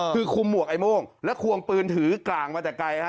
คือคุมหมวกไอ้โม่งและควงปืนถือกลางมาแต่ไกลฮะ